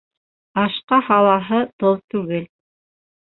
Ашҡа һалаһы тоҙ түгел.